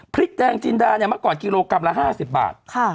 พริกแดงจินดาเนี่ยเมื่อก่อนกิโลกรัมละ๕๐บาท